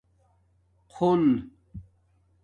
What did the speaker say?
خُل